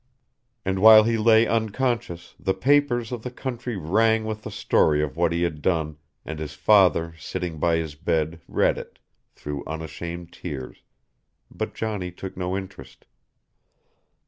And while he lay unconscious, the papers of the country rang with the story of what he had done, and his father sitting by his bed read it, through unashamed tears, but Johnny took no interest.